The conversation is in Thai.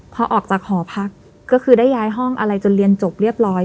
พอออกจากหอพักก็คือได้ย้ายห้องอะไรจนเรียนจบเรียบร้อย